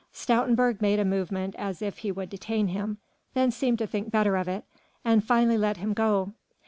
Stoutenburg made a movement as if he would detain him, then seemed to think better of it, and finally let him go.